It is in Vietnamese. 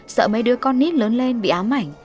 sợ mấy đứa con ít lớn lên bị ám ảnh